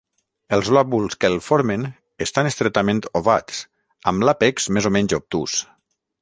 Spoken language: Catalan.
Els lòbuls que el formen estan estretament ovats, amb l'àpex més o menys obtús.